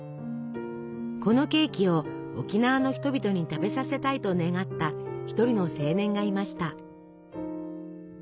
このケーキを沖縄の人々に食べさせたいと願った一人の青年がいました。